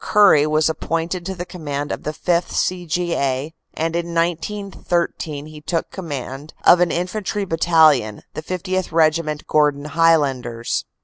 Currie was appointed to the command of the 5th. C. G. A., and in 1913 he took command of an infantry battalion, the 50th. Regiment, Gordon Highlanders.